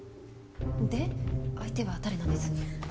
で相手は誰なんです？